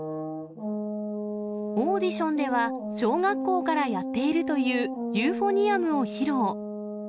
オーディションでは、小学校からやっているというユーフォニアムを披露。